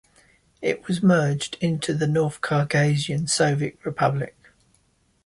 It was merged into the North Caucasian Soviet Republic.